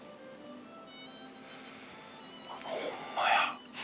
ホンマや。